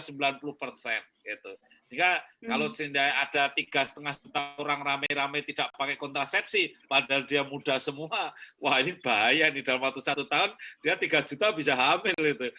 sehingga kalau ada tiga lima juta orang rame rame tidak pakai kontrasepsi padahal dia muda semua wah ini bahaya nih dalam waktu satu tahun dia tiga juta bisa hamil itu